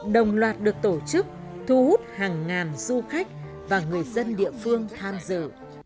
đồng loạt được tổ chức thu hút hàng ngàn du khách và người dân địa phương tham dự